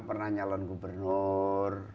pernah nyalon gubernur